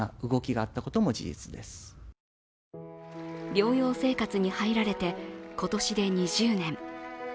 療養生活に入られて今年で２０年。